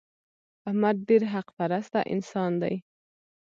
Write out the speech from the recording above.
احمد ډېر حق پرسته انسان دی.